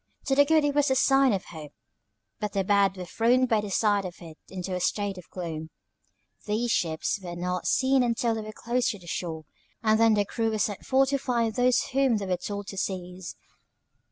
To the good it was a sign of hope, but the bad were thrown by the sight of it into a state of gloom. These ships were not seen till they came close to the shore, and then the crew were sent forth to find those whom they were told to seize.